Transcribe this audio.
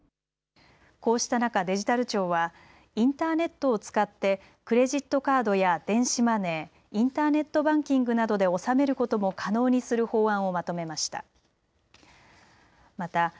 こうした中、デジタル庁はインターネットを使ってクレジットカードや電子マネー、インターネットバンキングなどで納めることも可能にする法案をまとめました。